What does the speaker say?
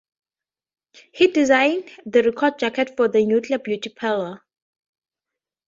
He designed the record jacket for The Nuclear Beauty Parlor.